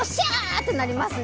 ってなりますね。